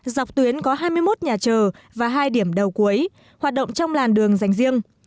dọc tuyến có hai mươi một nhà chờ và hai điểm đầu cuối hoạt động trong làn đường dành riêng